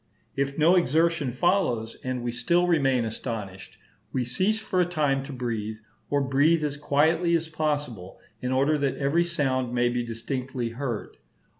If no exertion follows, and we still remain astonished, we cease for a time to breathe, or breathe as quietly as possible, in order that every sound may be distinctly heard.